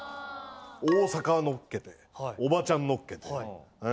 大阪のっけておばちゃんのっけてええ。